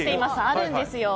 あるんですよ！